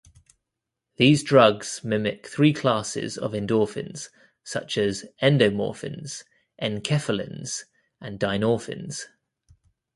These drugs mimic three classes of endorphins, such as endomorphins, enkephalins, and dynorphins.